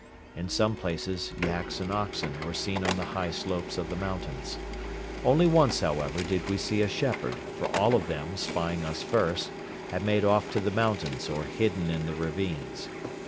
In some places yaks and oxen were seen on the high slopes of the mountains. Only once, however, did we see a shepherd, for all of them, spying us first, had made off to the mountains or hidden in the ravines.